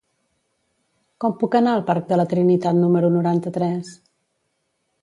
Com puc anar al parc de la Trinitat número noranta-tres?